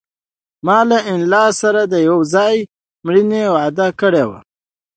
ما له انیلا سره د یو ځای مړینې وعده کړې وه